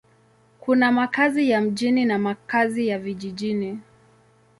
Kuna makazi ya mjini na makazi ya vijijini.